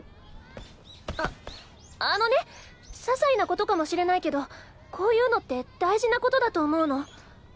ああのね些細なことかもしれないけどこういうのって大事なことだと思うの。